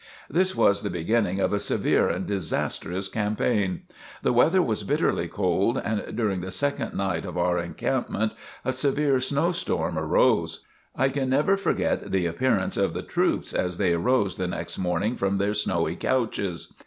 This was the beginning of a severe and disastrous campaign. The weather was bitterly cold and during the second night of our encampment a severe snow storm arose. I can never forget the appearance of the troops as they arose the next morning from their snowy couches.